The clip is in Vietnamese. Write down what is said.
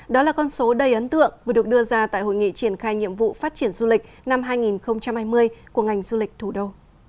đó là con số đầy ấn tượng vừa được đưa ra tại hội nghị triển khai nhiệm vụ phát triển du lịch năm hai nghìn hai mươi của ngành du lịch thủ đô